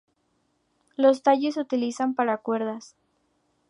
Los tallos se utilizan para cuerdas.